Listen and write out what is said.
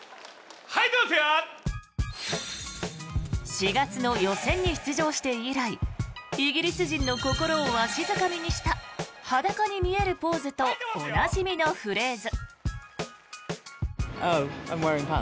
４月の予選に出場して以来イギリス人の心をわしづかみにした裸に見えるポーズとおなじみのフレーズ。